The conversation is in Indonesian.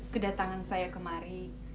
kedatangan saya kemari